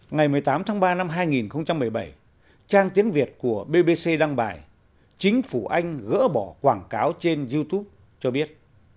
ngày một mươi tám tháng ba năm hai nghìn một mươi bảy trang tiếng việt của bbc đăng bài chính phủ anh gỡ bỏ quảng cáo trên youtube cho biết